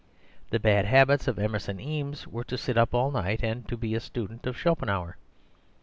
The bad habits of Emerson Eames were to sit up all night and to be a student of Schopenhauer.